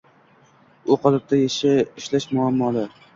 U qolipda ishlash muammoli.